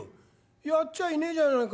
「やっちゃいねえじゃないか。